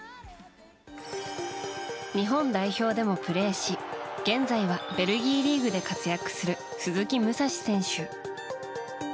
日本代表でもプレーし現在はベルギーリーグで活躍する鈴木武蔵選手。